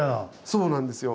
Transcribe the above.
そうなんですよ